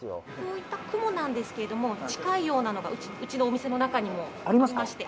こういった雲なんですけれども近いようなのがウチのお店の中にもありますか？